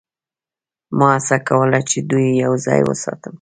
ما هڅه کوله چې دوی یوځای وساتم